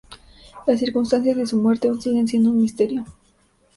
Las circunstancias de su muerte aún siguen siendo un misterio.